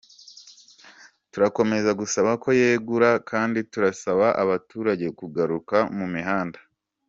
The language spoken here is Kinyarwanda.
Turakomeza gusaba ko yegura kandi turasaba abaturage kugaruka mu mihanda.